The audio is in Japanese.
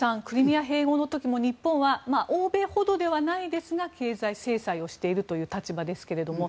クリミア併合の時も日本は欧米ほどではないですが経済制裁をしているという立場ですが。